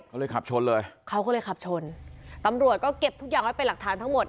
เขาเลยขับชนเลยเขาก็เลยขับชนตำรวจก็เก็บทุกอย่างไว้เป็นหลักฐานทั้งหมด